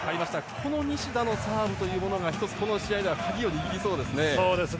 この西田のサーブが１つ、この試合では鍵を握りそうですね。